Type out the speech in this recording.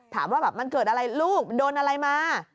ถามว่าแบบมันเกิดอะไรลูกโดนอะไรมา